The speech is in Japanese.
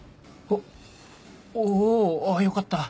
おおあぁよかった